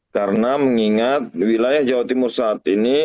karena mengingat di wilayah jawa timur saat ini